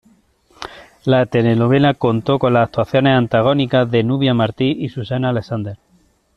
La telenovela contó con las actuaciones antagónicas de Nubia Martí y Susana Alexander.